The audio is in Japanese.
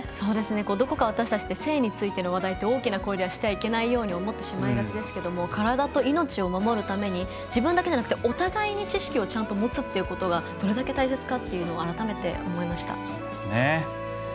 どこか私たちって性についての話題って大きな声ではしちゃいけないように思ってしまいがちですけども体と命を守るために自分だけじゃなくて、お互いに知識をちゃんと持つということがどれだけ大切かっていうのを改めて思いました。